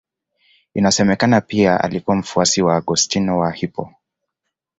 Inasemekana pia alikuwa mfuasi wa Augustino wa Hippo.